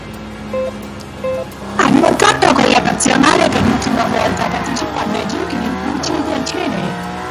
Ha nuotato con la nazionale per l'ultima volta partecipando ai Giochi olimpici di Atene.